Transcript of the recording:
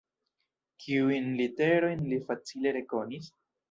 Kiujn literojn li facile rekonis?